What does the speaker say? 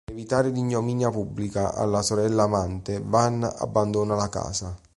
Per evitare l'ignominia pubblica alla sorella-amante, Van abbandona la casa.